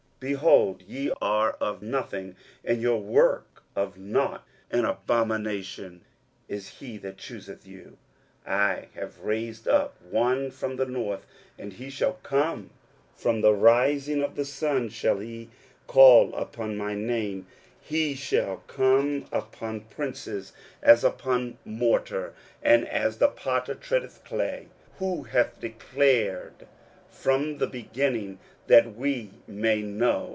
23:041:024 Behold, ye are of nothing, and your work of nought: an abomination is he that chooseth you. 23:041:025 I have raised up one from the north, and he shall come: from the rising of the sun shall he call upon my name: and he shall come upon princes as upon morter, and as the potter treadeth clay. 23:041:026 Who hath declared from the beginning, that we may know?